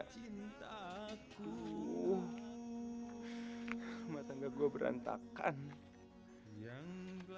tuh rumah tangga gue berantakan